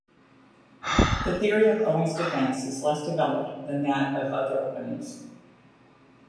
The theory of Owen's Defence is less developed than that of other openings.